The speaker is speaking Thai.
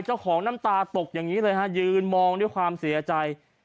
น้ำตาตกอย่างนี้เลยฮะยืนมองด้วยความเสียใจ